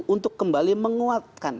untuk kembali menguatkan